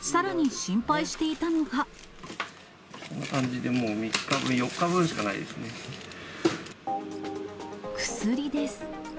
こんな感じで、もう３日分、薬です。